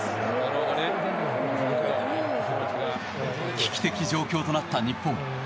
危機的状況となった日本。